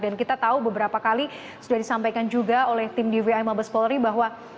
dan kita tahu beberapa kali sudah disampaikan juga oleh tim dvi mabes polrik bahwa